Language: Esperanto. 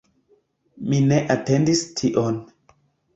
Mi ne atendis tion